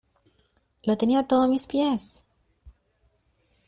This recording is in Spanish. Lo tenía todo a mis pies